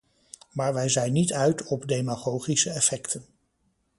Maar wij zijn niet uit op demagogische effecten.